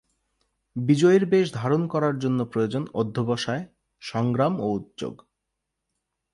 বিজয়ীর বেশ ধারণ করার জন্য প্রয়োজন অধ্যবসায়, সংগ্রাম ও উদ্যোগ।